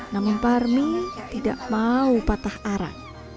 namun parmi tidak mau patah arah